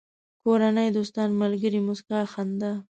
کورنۍ، دوستان، ملگري، موسکا، خندا